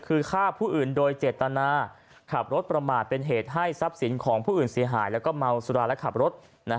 คือฆ่าผู้อื่นโดยเจตนาขับรถประมาทเป็นเหตุให้ทรัพย์สินของผู้อื่นเสียหายแล้วก็เมาสุราและขับรถ